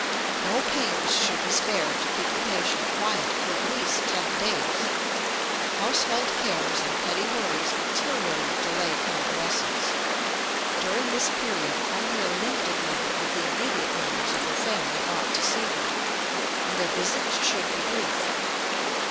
No pains should be spared to keep the patient quiet for at least ten days. Household cares and petty worries materially delay convalescence. During this period only a limited number of the immediate members of her family ought to see her, and their visits should be brief.